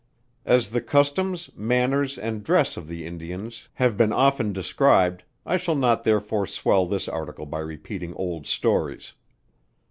As the customs, manners, and dress, of the Indians have been often described, I shall not therefore swell this article by repeating old stories.